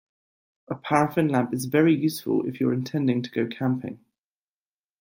A paraffin lamp is very useful if you're intending to go camping